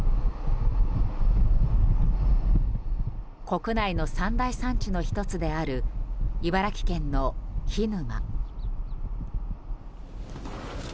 国内の三大産地の１つである茨城県の涸沼。